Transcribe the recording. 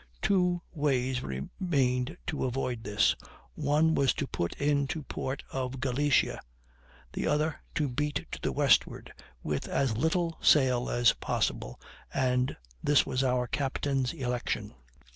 Two ways remained to avoid this; one was to put into a port of Galicia; the other, to beat to the westward with as little sail as possible: and this was our captain's election.